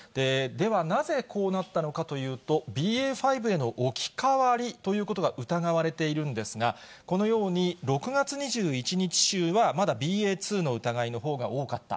ではなぜこうなったのかというと、ＢＡ．５への置き換わりということが疑われているんですが、このように６月２１日週はまだＢＡ．２の疑いのほうが多かった。